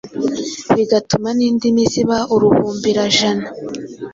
bigatuma n’indimi ziba uruhumbirajana.